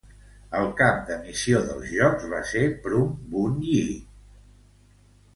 El cap de missió dels jocs va ser Prum Bun Yi.